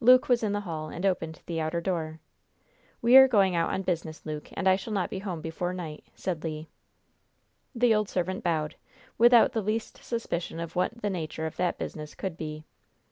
Luke was in the hall, and opened the outer door. "We are going out on business, Luke, and I shall not be home before night," said Le. The old servant bowed, without the least suspicion of what the nature of that business could be.